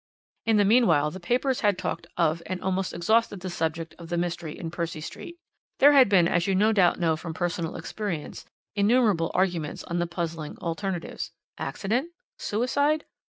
"In the meanwhile the papers had talked of and almost exhausted the subject of the mystery in Percy Street. There had been, as you no doubt know from personal experience, innumerable arguments on the puzzling alternatives: "Accident? "Suicide?